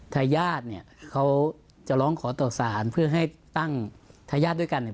ทายาทเนี่ยเขาจะร้องขอต่อสารเพื่อให้ตั้งทายาทด้วยกันเนี่ย